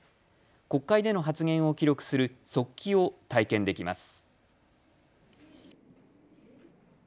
国会での発言を記録する速記を体験できます。